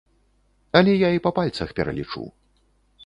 Але я і па пальцах пералічу.